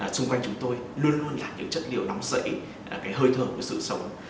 xung quanh chúng tôi luôn luôn là những chất liệu nóng sợi hơi thở của sự sống